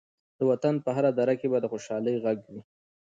د وطن په هره دره کې به د خوشحالۍ غږ وي.